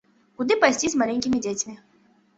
Куды пайсці з маленькімі дзецьмі?